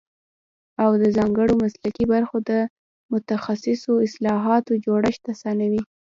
او د ځانګړو مسلکي برخو د متخصصو اصطلاحاتو جوړښت اسانوي